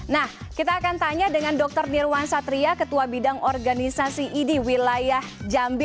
nah kita akan tanya dengan dr nirwan satria ketua bidang organisasi idi wilayah jambi